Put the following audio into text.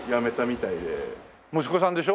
息子さんでしょ？